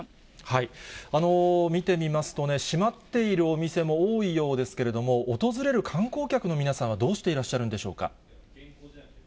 見てみますと、閉まっているお店も多いようですけれども、訪れる観光客の皆さんはどうしていらっしゃるんでしょうか。